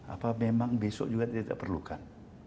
apa memang besok juga tidak perlukan